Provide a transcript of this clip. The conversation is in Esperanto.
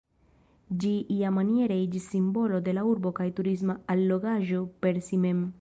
Ĝi iamaniere iĝis simbolo de la urbo kaj turisma allogaĵo per si mem.